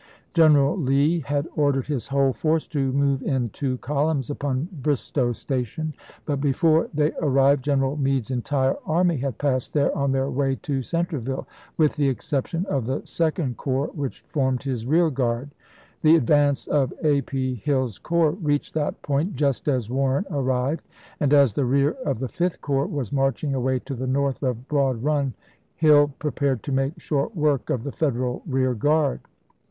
General Lee had ordered his whole force to move in two columns upon Bristoe Station, but before they arrived General Meade's entire army had passed there on their way to Cen treville, with the exception of the Second Corps which formed his rear guard. The advance of A. P. Hill's corps reached that point just as Warren arrived, and as the rear of the Fifth Corps was marching away to the north of Broad Run, Hill prepared to make short work of the Federal rear guard.